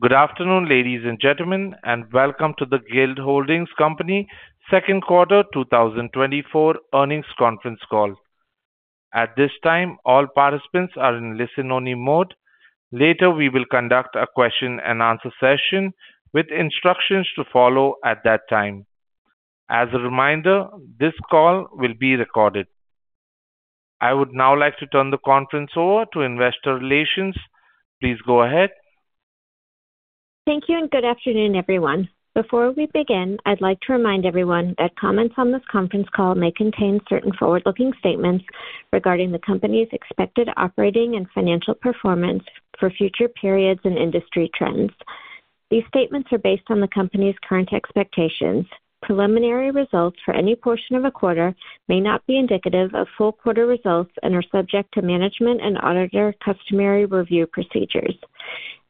Good afternoon, ladies and gentlemen, and welcome to the Guild Holdings Company second quarter 2024 earnings conference call. At this time, all participants are in listen-only mode. Later, we will conduct a question-and-answer session with instructions to follow at that time. As a reminder, this call will be recorded. I would now like to turn the conference over to Investor Relations. Please go ahead. Thank you, and good afternoon, everyone. Before we begin, I'd like to remind everyone that comments on this conference call may contain certain forward-looking statements regarding the company's expected operating and financial performance for future periods and industry trends. These statements are based on the company's current expectations. Preliminary results for any portion of a quarter may not be indicative of full quarter results and are subject to management and auditor customary review procedures.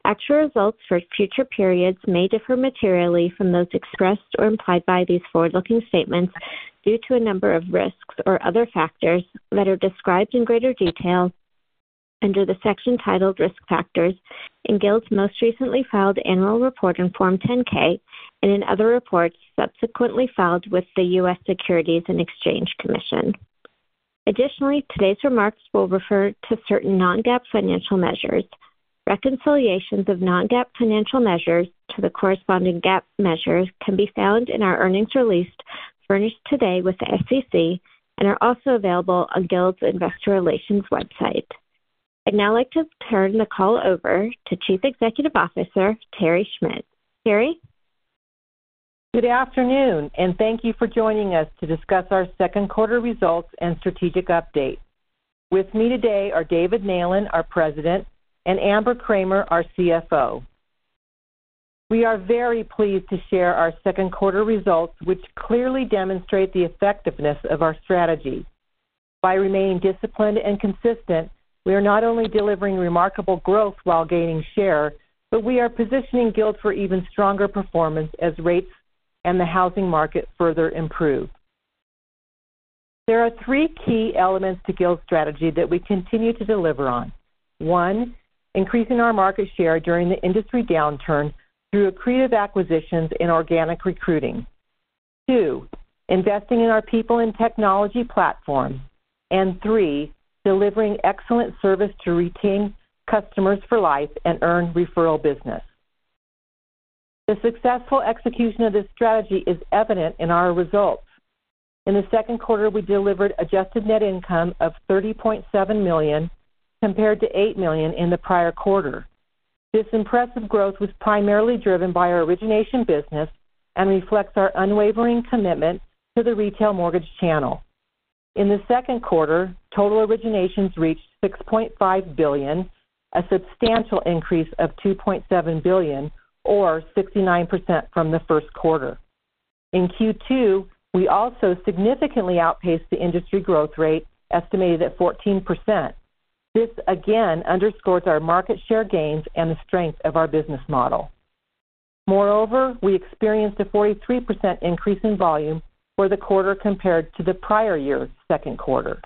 Actual results for future periods may differ materially from those expressed or implied by these forward-looking statements due to a number of risks or other factors that are described in greater detail under the section titled Risk Factors in Guild's most recently filed annual report on Form 10-K and in other reports subsequently filed with the U.S. Securities and Exchange Commission. Additionally, today's remarks will refer to certain non-GAAP financial measures. Reconciliations of non-GAAP financial measures to the corresponding GAAP measures can be found in our earnings release, furnished today with the SEC and are also available on Guild's Investor Relations website. I'd now like to turn the call over to Chief Executive Officer, Terry Schmidt. Terry? Good afternoon, and thank you for joining us to discuss our second quarter results and strategic update. With me today are David Neylan, our President, and Amber Elwell, our CFO. We are very pleased to share our second quarter results, which clearly demonstrate the effectiveness of our strategy. By remaining disciplined and consistent, we are not only delivering remarkable growth while gaining share, but we are positioning Guild for even stronger performance as rates and the housing market further improve. There are three key elements to Guild's strategy that we continue to deliver on. One, increasing our market share during the industry downturn through accretive acquisitions and organic recruiting. Two, investing in our people and technology platform. And three, delivering excellent service to retain customers for life and earn referral business. The successful execution of this strategy is evident in our results. In the second quarter, we delivered adjusted net income of $30.7 million, compared to $8 million in the prior quarter. This impressive growth was primarily driven by our origination business and reflects our unwavering commitment to the retail mortgage channel. In the second quarter, total originations reached $6.5 billion, a substantial increase of $2.7 billion, or 69% from the first quarter. In Q2, we also significantly outpaced the industry growth rate, estimated at 14%. This again underscores our market share gains and the strength of our business model. Moreover, we experienced a 43% increase in volume for the quarter compared to the prior year's second quarter.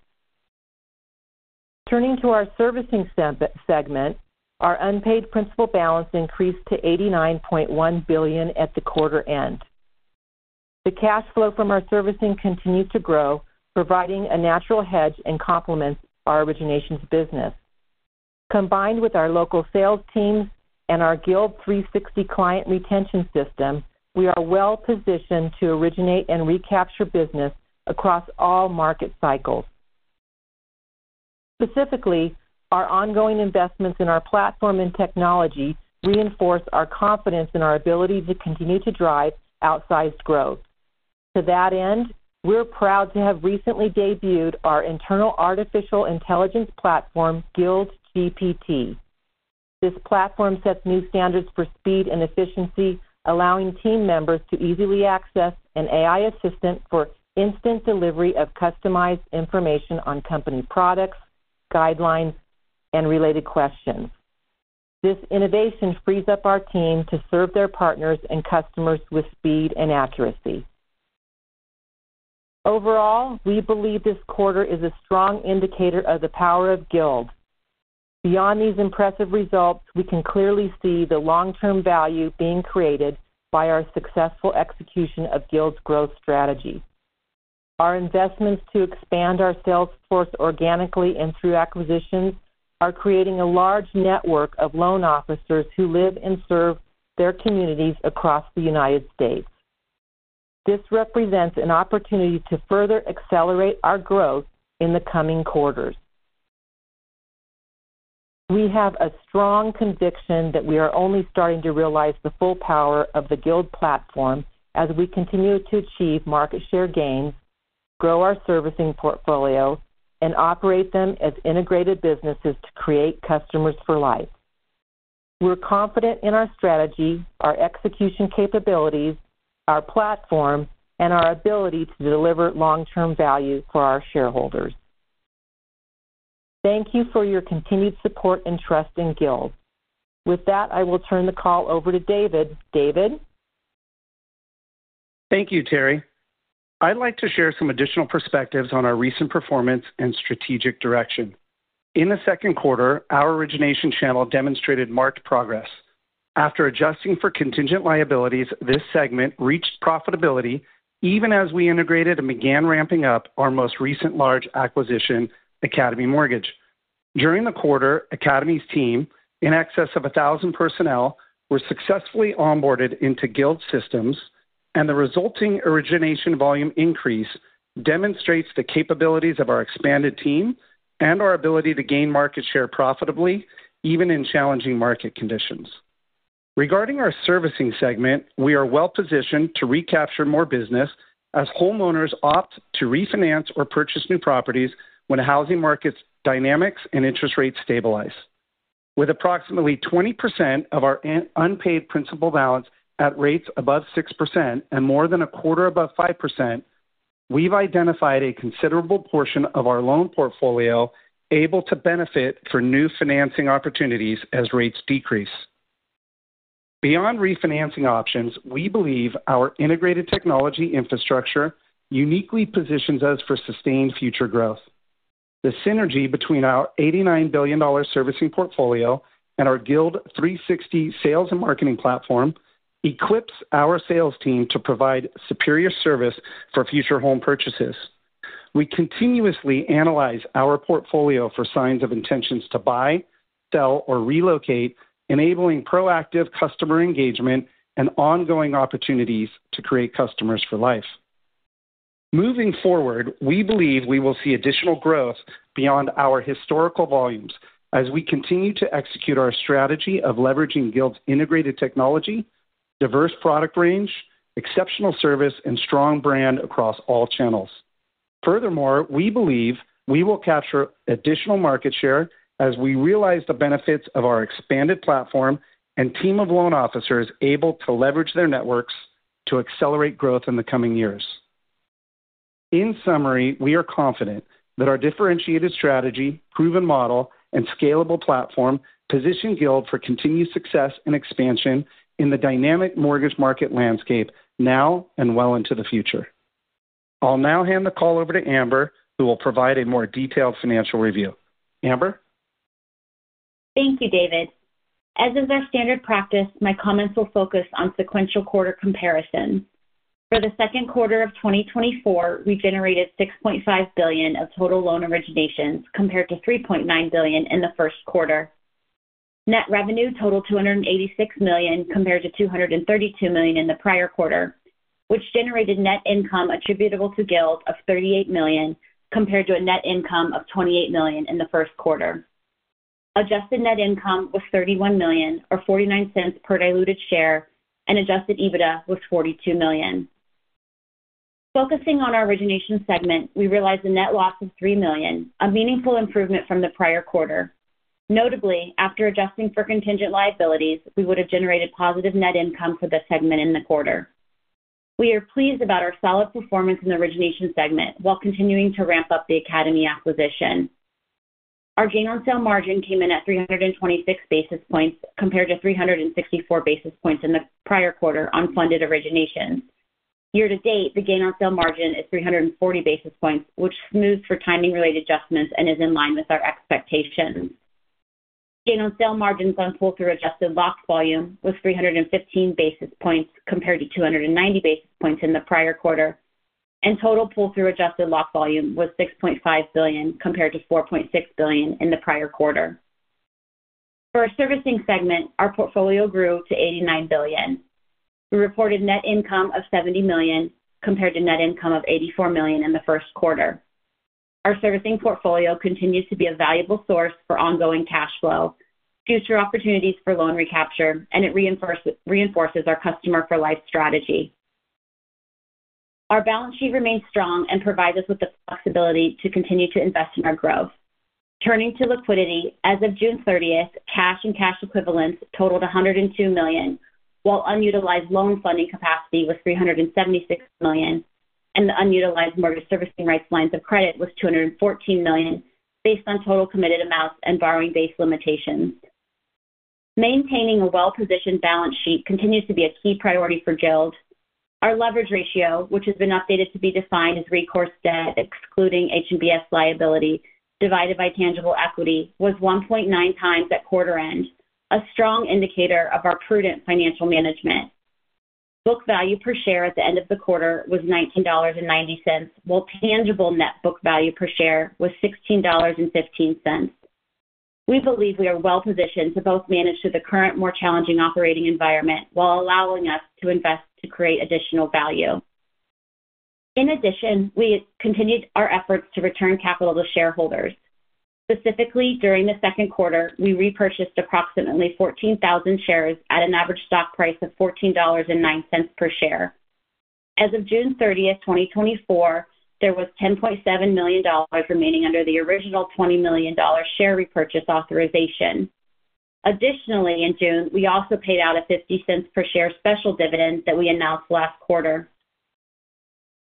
Turning to our servicing segment, our unpaid principal balance increased to $89.1 billion at the quarter end. The cash flow from our servicing continued to grow, providing a natural hedge and complements our originations business. Combined with our local sales teams and our Guild 360 client retention system, we are well-positioned to originate and recapture business across all market cycles. Specifically, our ongoing investments in our platform and technology reinforce our confidence in our ability to continue to drive outsized growth. To that end, we're proud to have recently debuted our internal artificial intelligence platform, GuildGPT. This platform sets new standards for speed and efficiency, allowing team members to easily access an AI assistant for instant delivery of customized information on company products, guidelines, and related questions. This innovation frees up our team to serve their partners and customers with speed and accuracy. Overall, we believe this quarter is a strong indicator of the power of Guild. Beyond these impressive results, we can clearly see the long-term value being created by our successful execution of Guild's growth strategy. Our investments to expand our sales force organically and through acquisitions are creating a large network of loan officers who live and serve their communities across the United States. This represents an opportunity to further accelerate our growth in the coming quarters. We have a strong conviction that we are only starting to realize the full power of the Guild platform as we continue to achieve market share gains, grow our servicing portfolio, and operate them as integrated businesses to create customers for life. We're confident in our strategy, our execution capabilities, our platform, and our ability to deliver long-term value for our shareholders. Thank you for your continued support and trust in Guild. With that, I will turn the call over to David. David?... Thank you, Terry. I'd like to share some additional perspectives on our recent performance and strategic direction. In the second quarter, our origination channel demonstrated marked progress. After adjusting for contingent liabilities, this segment reached profitability even as we integrated and began ramping up our most recent large acquisition, Academy Mortgage. During the quarter, Academy's team, in excess of 1,000 personnel, were successfully onboarded into Guild systems, and the resulting origination volume increase demonstrates the capabilities of our expanded team and our ability to gain market share profitably, even in challenging market conditions. Regarding our servicing segment, we are well-positioned to recapture more business as homeowners opt to refinance or purchase new properties when housing market dynamics and interest rates stabilize. With approximately 20% of our unpaid principal balance at rates above 6% and more than a quarter above 5%, we've identified a considerable portion of our loan portfolio able to benefit for new financing opportunities as rates decrease. Beyond refinancing options, we believe our integrated technology infrastructure uniquely positions us for sustained future growth. The synergy between our $89 billion servicing portfolio and our Guild 360 sales and marketing platform equips our sales team to provide superior service for future home purchases. We continuously analyze our portfolio for signs of intentions to buy, sell, or relocate, enabling proactive customer engagement and ongoing opportunities to create customers for life. Moving forward, we believe we will see additional growth beyond our historical volumes as we continue to execute our strategy of leveraging Guild's integrated technology, diverse product range, exceptional service, and strong brand across all channels. Furthermore, we believe we will capture additional market share as we realize the benefits of our expanded platform and team of loan officers able to leverage their networks to accelerate growth in the coming years. In summary, we are confident that our differentiated strategy, proven model, and scalable platform position Guild for continued success and expansion in the dynamic mortgage market landscape now and well into the future. I'll now hand the call over to Amber, who will provide a more detailed financial review. Amber? Thank you, David. As is our standard practice, my comments will focus on sequential quarter comparisons. For the second quarter of 2024, we generated $6.5 billion of total loan originations, compared to $3.9 billion in the first quarter. Net revenue totaled $286 million, compared to $232 million in the prior quarter, which generated net income attributable to Guild of $38 million, compared to a net income of $28 million in the first quarter. Adjusted net income was $31 million, or $0.49 per diluted share, and adjusted EBITDA was $42 million. Focusing on our origination segment, we realized a net loss of $3 million, a meaningful improvement from the prior quarter. Notably, after adjusting for contingent liabilities, we would have generated positive net income for this segment in the quarter. We are pleased about our solid performance in the origination segment, while continuing to ramp up the Academy acquisition. Our gain on sale margin came in at 326 basis points, compared to 364 basis points in the prior quarter on funded originations. Year to date, the gain on sale margin is 340 basis points, which smooths for timing-related adjustments and is in line with our expectations. Gain on sale margins on pull-through adjusted locked volume was 315 basis points, compared to 290 basis points in the prior quarter, and total pull-through adjusted locked volume was $6.5 billion, compared to $4.6 billion in the prior quarter. For our servicing segment, our portfolio grew to $89 billion. We reported net income of $70 million, compared to net income of $84 million in the first quarter. Our servicing portfolio continues to be a valuable source for ongoing cash flow, future opportunities for loan recapture, and it reinforces our customer for life strategy. Our balance sheet remains strong and provides us with the flexibility to continue to invest in our growth. Turning to liquidity, as of June 30th, cash and cash equivalents totaled $102 million, while unutilized loan funding capacity was $376 million, and the unutilized mortgage servicing rights lines of credit was $214 million, based on total committed amounts and borrowing base limitations. Maintaining a well-positioned balance sheet continues to be a key priority for Guild. Our leverage ratio, which has been updated to be defined as recourse debt, excluding HMBS liability, divided by tangible equity, was 1.9x at quarter end, a strong indicator of our prudent financial management. Book value per share at the end of the quarter was $19.90, while tangible net book value per share was $16.15. We believe we are well-positioned to both manage through the current, more challenging operating environment while allowing us to invest to create additional value. In addition, we continued our efforts to return capital to shareholders. Specifically, during the second quarter, we repurchased approximately 14,000 shares at an average stock price of $14.09 per share. As of June 30, 2024, there was $10.7 million remaining under the original $20 million share repurchase authorization. Additionally, in June, we also paid out a $0.50 per share special dividend that we announced last quarter.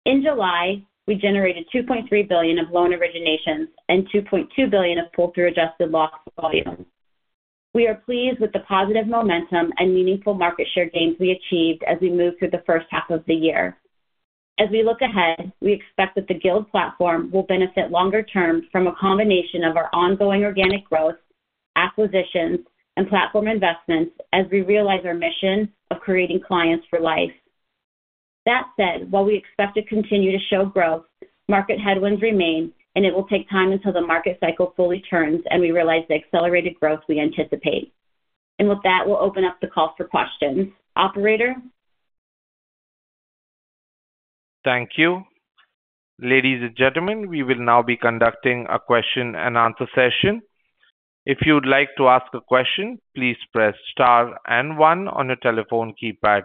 In July, we generated $2.3 billion of loan originations and $2.2 billion of pull-through adjusted locked volume. We are pleased with the positive momentum and meaningful market share gains we achieved as we move through the first half of the year. As we look ahead, we expect that the Guild platform will benefit longer term from a combination of our ongoing organic growth, acquisitions, and platform investments as we realize our mission of creating clients for life. That said, while we expect to continue to show growth, market headwinds remain, and it will take time until the market cycle fully turns and we realize the accelerated growth we anticipate. And with that, we'll open up the call for questions. Operator? Thank you. Ladies and gentlemen, we will now be conducting a question-and-answer session. If you'd like to ask a question, please press star and One on your telephone keypad.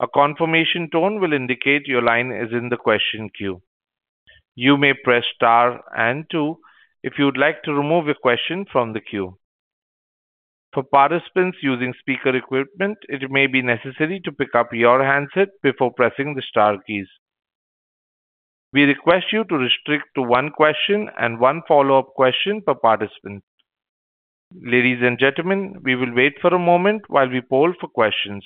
A confirmation tone will indicate your line is in the question queue. You may press star and Two if you'd like to remove your question from the queue. For participants using speaker equipment, it may be necessary to pick up your handset before pressing the star keys. We request you to restrict to one question and one follow-up question per participant. Ladies and gentlemen, we will wait for a moment while we poll for questions.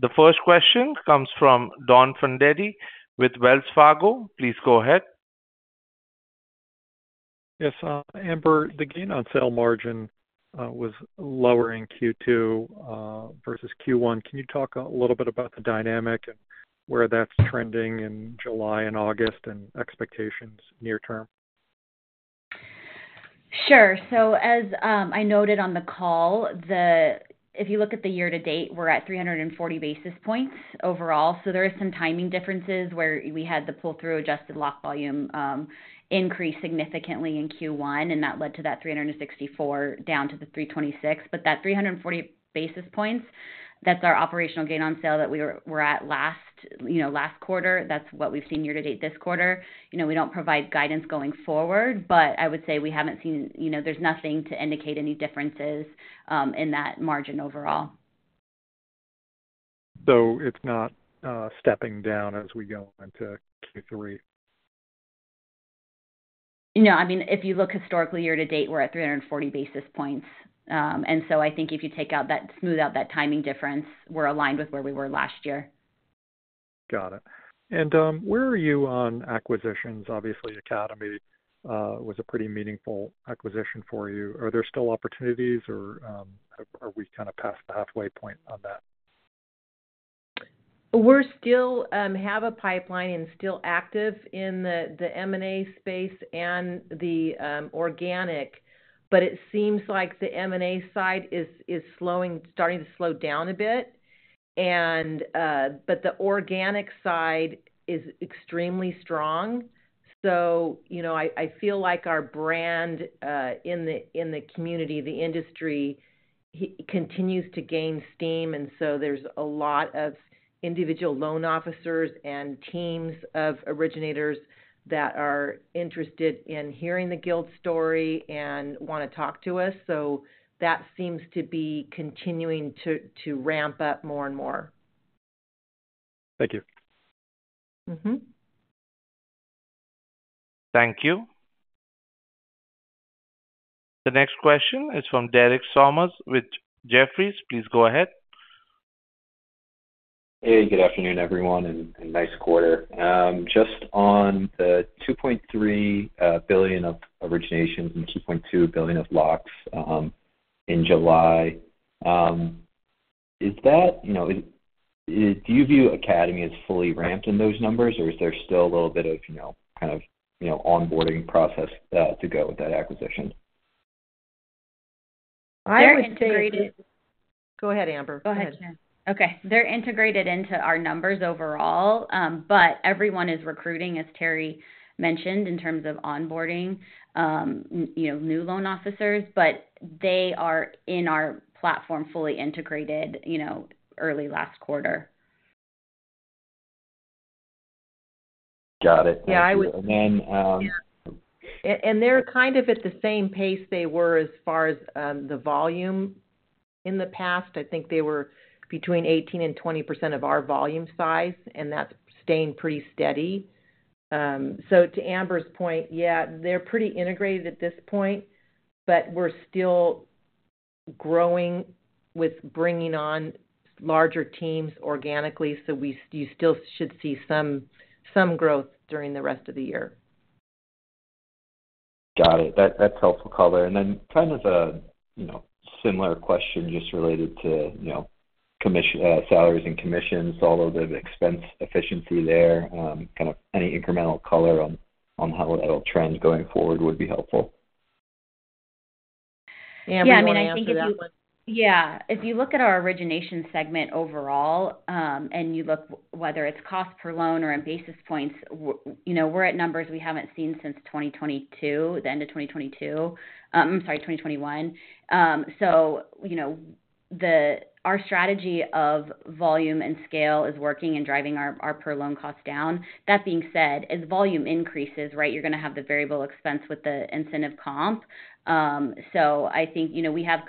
The first question comes from Donald Fandetti with Wells Fargo. Please go ahead. Yes, Amber, the gain on sale margin was lower in Q2 versus Q1. Can you talk a little bit about the dynamic and where that's trending in July and August, and expectations near term? Sure. So as I noted on the call, if you look at the year to date, we're at 340 basis points overall. So there are some timing differences where we had the pull-through adjusted lock volume increase significantly in Q1, and that led to that 364 down to the 326. But that 340 basis points, that's our operational gain on sale that we were, we're at last, you know, last quarter. That's what we've seen year to date this quarter. You know, we don't provide guidance going forward, but I would say we haven't seen. You know, there's nothing to indicate any differences in that margin overall. So it's not stepping down as we go into Q3? No, I mean, if you look historically, year to date, we're at 340 basis points. And so I think if you take out that, smooth out that timing difference, we're aligned with where we were last year. Got it. And, where are you on acquisitions? Obviously, Academy, was a pretty meaningful acquisition for you. Are there still opportunities, or, are we kind of past the halfway point on that? We still have a pipeline and still active in the M&A space and the organic, but it seems like the M&A side is slowing, starting to slow down a bit. But the organic side is extremely strong. So, you know, I feel like our brand in the community, the industry, continues to gain steam, and so there's a lot of individual loan officers and teams of originators that are interested in hearing the Guild story and want to talk to us. So that seems to be continuing to ramp up more and more. Thank you. Mm-hmm. Thank you. The next question is from Derek Sommers with Jefferies. Please go ahead. Hey, good afternoon, everyone, and nice quarter. Just on the $2.3 billion of originations and $2.2 billion of locks, in July, is that, you know, do you view Academy as fully ramped in those numbers, or is there still a little bit of, you know, kind of, you know, onboarding process, to go with that acquisition? I would say- They're integrated. Go ahead, Amber. Go ahead. Okay. They're integrated into our numbers overall, but everyone is recruiting, as Terry mentioned, in terms of onboarding, you know, new loan officers. But they are in our platform, fully integrated, you know, early last quarter. Got it. Yeah, I would- Thank you. And then, They're kind of at the same pace they were as far as the volume. In the past, I think they were between 18% and 20% of our volume size, and that's staying pretty steady. So to Amber's point, yeah, they're pretty integrated at this point, but we're still growing with bringing on larger teams organically, so you still should see some growth during the rest of the year. Got it. That's helpful color. And then kind of a, you know, similar question, just related to, you know, commission, salaries and commissions, all of the expense efficiency there, kind of any incremental color on how that'll trend going forward would be helpful. Amber, you want to answer that one? Yeah, I mean, I think if you... Yeah, if you look at our origination segment overall, and you look whether it's cost per loan or in basis points, you know, we're at numbers we haven't seen since 2022, the end of 2022. Sorry, 2021. So, you know, our strategy of volume and scale is working and driving our per loan cost down. That being said, as volume increases, right, you're gonna have the variable expense with the incentive comp. So I think, you know, we have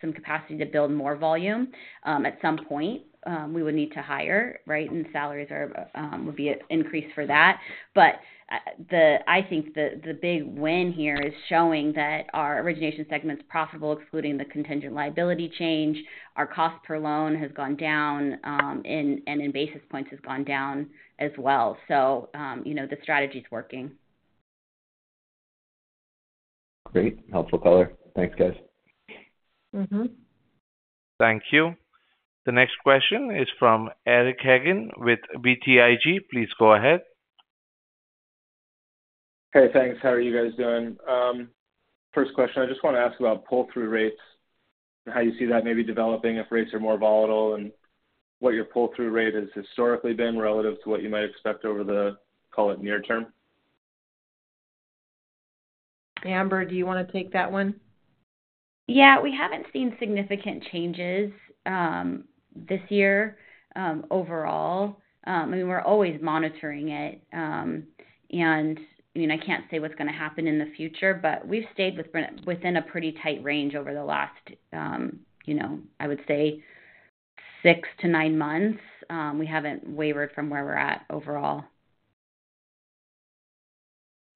some capacity to build more volume. At some point, we would need to hire, right? And salaries would be increased for that. But, I think the big win here is showing that our origination segment's profitable, excluding the contingent liability change. Our cost per loan has gone down, and in basis points has gone down as well. So, you know, the strategy's working. Great. Helpful color. Thanks, guys. Mm-hmm. Thank you. The next question is from Eric Hagen with BTIG. Please go ahead. Hey, thanks. How are you guys doing? First question, I just wanna ask about pull-through rates and how you see that maybe developing if rates are more volatile, and what your pull-through rate has historically been relative to what you might expect over the, call it, near term. Amber, do you wanna take that one? Yeah, we haven't seen significant changes this year overall. I mean, we're always monitoring it. And, I mean, I can't say what's gonna happen in the future, but we've stayed within a pretty tight range over the last you know, I would say six-nine months. We haven't wavered from where we're at overall.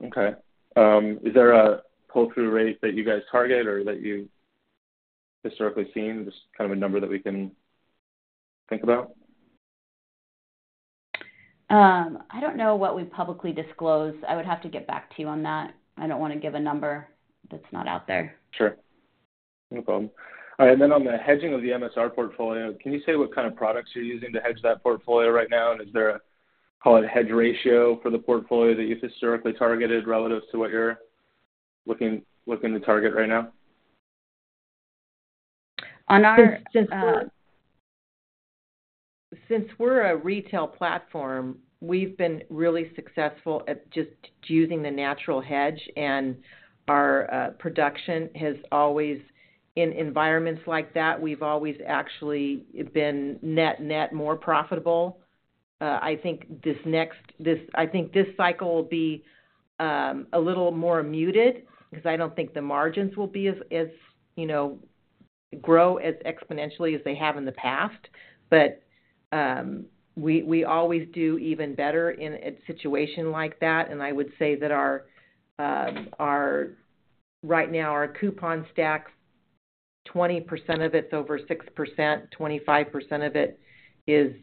Okay. Is there a pull-through rate that you guys target or that you've historically seen? Just kind of a number that we can think about. I don't know what we publicly disclose. I would have to get back to you on that. I don't wanna give a number that's not out there. Sure. No problem. All right, and then on the hedging of the MSR portfolio, can you say what kind of products you're using to hedge that portfolio right now? And is there a, call it, hedge ratio for the portfolio that you've historically targeted relative to what you're looking, looking to target right now? On our, Since we're a retail platform, we've been really successful at just using the natural hedge, and our production has always... In environments like that, we've always actually been net more profitable. I think this cycle will be a little more muted because I don't think the margins will be as you know grow as exponentially as they have in the past. But we always do even better in a situation like that, and I would say that our right now our coupon stack, 20% of it's over 6%, 25% of it is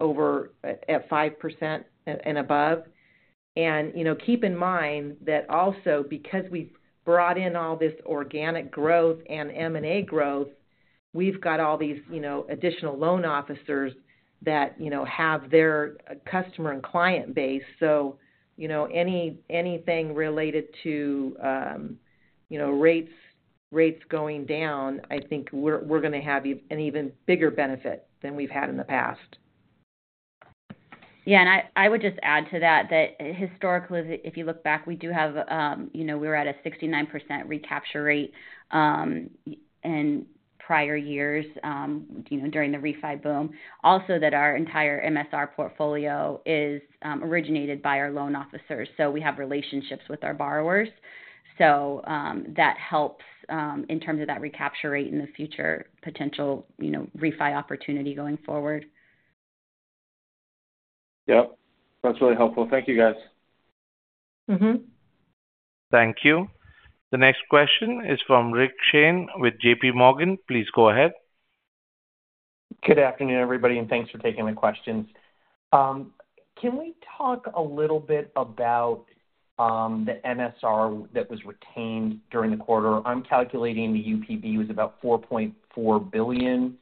over at 5% and above. Keep in mind that also, because we've brought in all this organic growth and M&A growth, we've got all these, you know, additional loan officers that, you know, have their customer and client base. So, you know, anything related to, you know, rates, rates going down, I think we're gonna have an even bigger benefit than we've had in the past. Yeah, and I would just add to that, that historically, if you look back, we do have, you know, we were at a 69% recapture rate in prior years, you know, during the refi boom. Also, that our entire MSR portfolio is originated by our loan officers, so we have relationships with our borrowers. So, that helps in terms of that recapture rate in the future, potential, you know, refi opportunity going forward. Yep, that's really helpful. Thank you, guys. Mm-hmm. Thank you. The next question is from Richard Shane with J.P. Morgan. Please go ahead. Good afternoon, everybody, and thanks for taking the questions. Can we talk a little bit about the MSR that was retained during the quarter? I'm calculating the UPB was about $4.4 billion,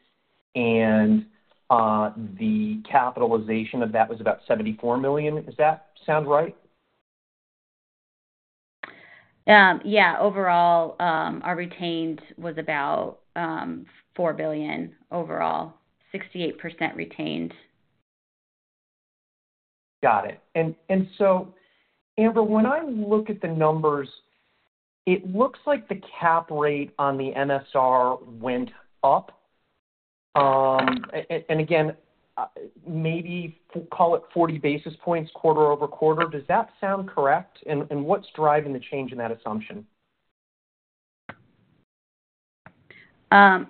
and the capitalization of that was about $74 million. Does that sound right? Yeah. Overall, our retained was about $4 billion overall. 68% retained. Got it. And so, Amber, when I look at the numbers, it looks like the cap rate on the MSR went up. And again, maybe call it 40 basis points, quarter-over-quarter. Does that sound correct? And what's driving the change in that assumption? I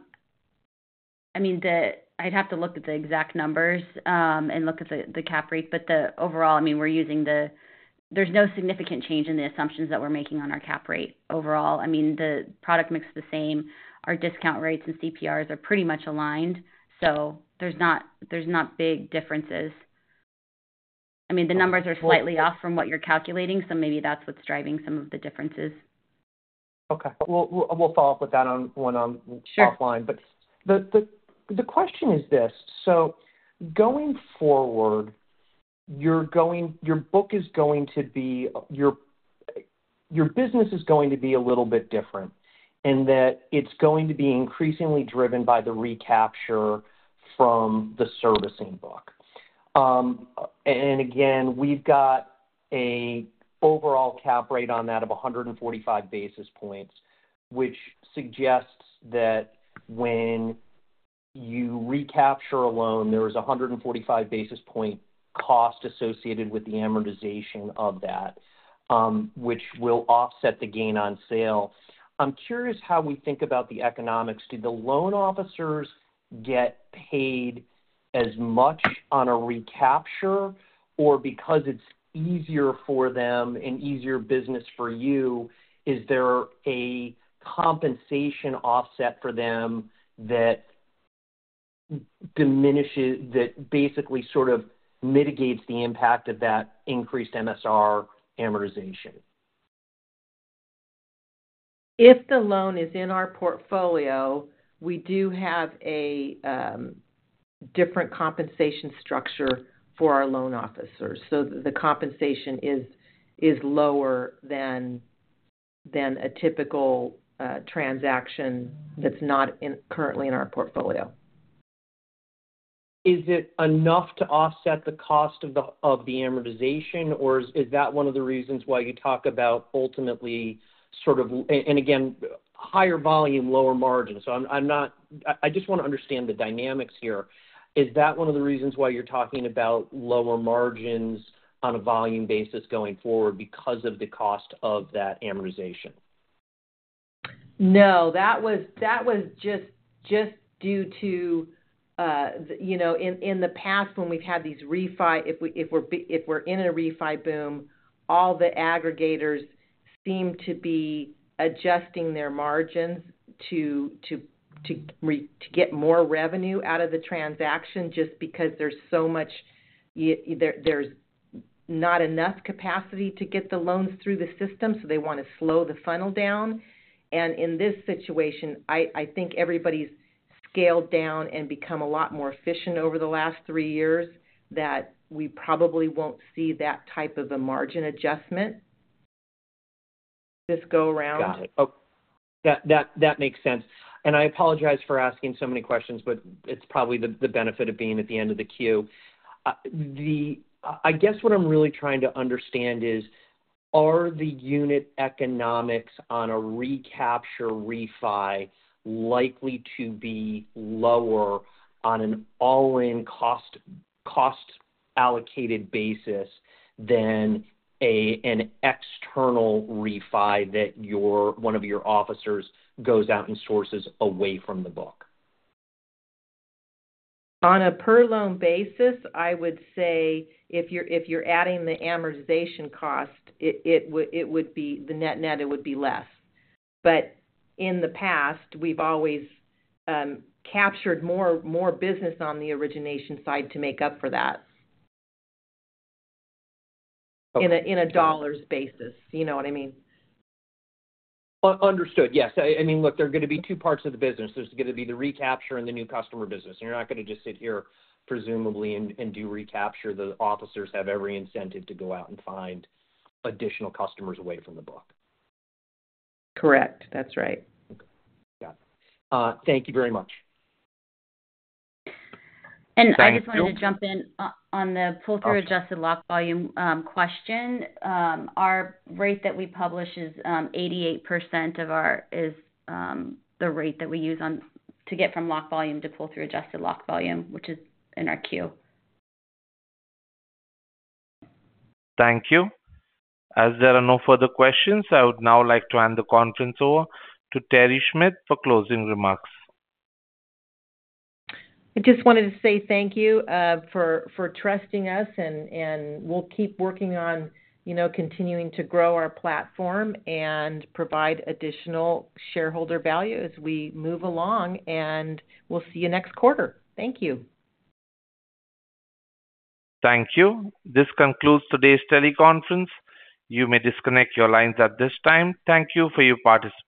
mean, I'd have to look at the exact numbers and look at the cap rate, but the overall, I mean, we're using. There's no significant change in the assumptions that we're making on our cap rate overall. I mean, the product mix is the same. Our discount rates and CPRs are pretty much aligned, so there's not big differences. I mean, the numbers are slightly off from what you're calculating, so maybe that's what's driving some of the differences. Okay. We'll follow up with that on-- when I'm- Sure... offline. But the question is this: So going forward, your book is going to be... Your business is going to be a little bit different in that it's going to be increasingly driven by the recapture from the servicing book... and again, we've got an overall cap rate on that of 145 basis points, which suggests that when you recapture a loan, there is a 145 basis point cost associated with the amortization of that, which will offset the gain on sale. I'm curious how we think about the economics. Do the loan officers get paid as much on a recapture? Or because it's easier for them and easier business for you, is there a compensation offset for them that diminishes, that basically sort of mitigates the impact of that increased MSR amortization? If the loan is in our portfolio, we do have a different compensation structure for our loan officers, so the compensation is lower than a typical transaction that's not currently in our portfolio. Is it enough to offset the cost of the amortization, or is that one of the reasons why you talk about ultimately sort of—and again, higher volume, lower margin? So I'm not... I just wanna understand the dynamics here. Is that one of the reasons why you're talking about lower margins on a volume basis going forward because of the cost of that amortization? No, that was just due to you know, in the past, when we've had these refi booms, if we're in a refi boom, all the aggregators seem to be adjusting their margins to get more revenue out of the transaction, just because there's so much, there's not enough capacity to get the loans through the system, so they wanna slow the funnel down. And in this situation, I think everybody's scaled down and become a lot more efficient over the last three years, that we probably won't see that type of a margin adjustment this go around. Got it. Oh, that makes sense. And I apologize for asking so many questions, but it's probably the benefit of being at the end of the queue. I guess what I'm really trying to understand is, are the unit economics on a recapture refi likely to be lower on an all-in cost, cost-allocated basis than an external refi that one of your officers goes out and sources away from the book? On a per-loan basis, I would say if you're adding the amortization cost, it would be the net, it would be less. But in the past, we've always captured more business on the origination side to make up for that. Okay. In a dollars basis, you know what I mean? Understood, yes. I mean, look, there are gonna be two parts of the business. There's gonna be the recapture and the new customer business, and you're not gonna just sit here presumably and do recapture. The officers have every incentive to go out and find additional customers away from the book. Correct. That's right. Okay, got it. Thank you very much. And I just wanted to jump in on the- Okay. Pull-through adjusted locked volume question. Our rate that we publish is 88% of our is the rate that we use on to get from lock volume to pull-through adjusted lock volume, which is in our Q. Thank you. As there are no further questions, I would now like to hand the conference over to Terry Schmidt for closing remarks. I just wanted to say thank you for trusting us, and we'll keep working on, you know, continuing to grow our platform and provide additional shareholder value as we move along, and we'll see you next quarter. Thank you. Thank you. This concludes today's teleconference. You may disconnect your lines at this time. Thank you for your participation.